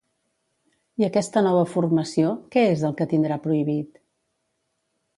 I aquesta nova formació, què és el que tindrà prohibit?